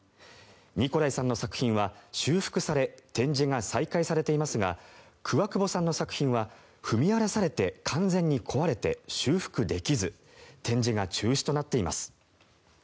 ニコライさんの作品は修復され展示が再開されていますがクワクボさんの作品は踏み荒らされて、完全に壊れて修復できず展示が中止となっています。